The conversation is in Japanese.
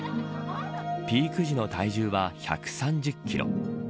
ピーク時の体重は１３０キロ。